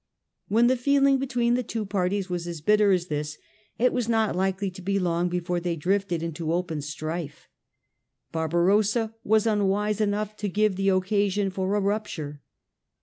When the feeling between the two parties was as bitter as this, it was not likely to be long before they drifted into open strife. Barbarossa was unwise enough to give the occasion for a rupture.